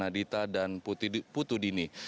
adi rahmawan dan putu dini